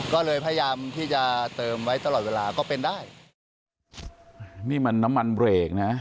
ก็เลยพยายามที่จะเติมไว้ตลอดเวลาก็เป็นได้นี่มันน้ำมันเบรกนะ